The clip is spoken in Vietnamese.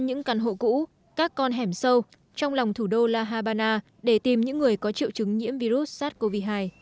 những căn hộ cũ các con hẻm sâu trong lòng thủ đô la habana để tìm những người có triệu chứng nhiễm virus sars cov hai